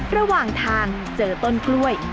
ระหว่างทางเจอต้นกล้วย